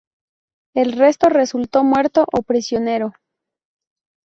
El resto resultó muerto o prisionero.